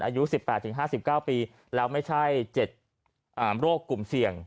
อายุ๑๘๕๙ปีแล้วไม่ใช่๗โรคกลุ่มเสี่ยง